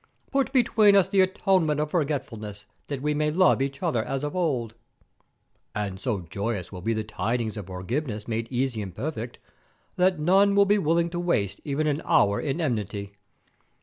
Put between us the atonement of forgetfulness, that we may love each other as of old,' and so joyous will be the tidings of forgiveness made easy and perfect, that none will be willing to waste even an hour in enmity.